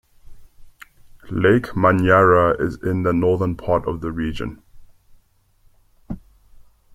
Lake Manyara is in the northern part of the region.